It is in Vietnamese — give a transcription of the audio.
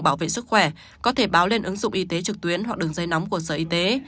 bảo vệ sức khỏe có thể báo lên ứng dụng y tế trực tuyến hoặc đường dây nóng của sở y tế